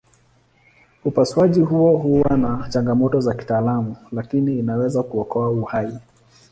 Upasuaji huo huwa na changamoto za kitaalamu lakini inaweza kuokoa uhai.